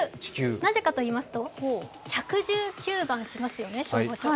なぜかといいますと、１１９番しますよね、消防署。